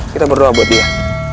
kita berdoa buat dia